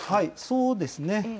そうですね。